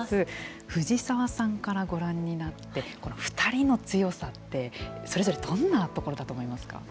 藤沢さんからご覧になってこの２人の強さってそれぞれどんなところだと思いますか。